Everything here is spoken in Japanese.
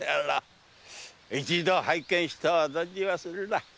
一度拝見しとう存じまするな。